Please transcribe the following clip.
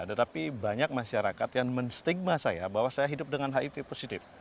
tetapi banyak masyarakat yang menstigma saya bahwa saya hidup dengan hiv positif